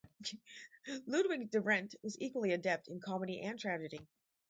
Ludwig Devrient was equally adept in comedy and tragedy.